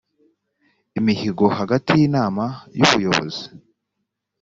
imihigo hagati y inama y ubuyobozi